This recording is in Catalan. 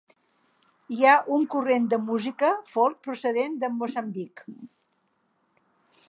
Hi ha un corrent de música folk procedent de Moçambic.